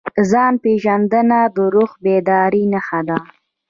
ځان پېژندنه د روح د بیدارۍ نښه ده.